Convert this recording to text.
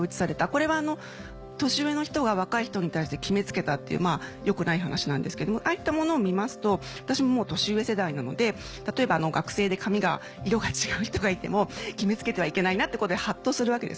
これは年上の人が若い人に対して決め付けたっていう良くない話なんですけどもああいったものを見ますと私ももう年上世代なので例えば学生で髪が色が違う人がいても決め付けてはいけないなってことでハッとするわけですね。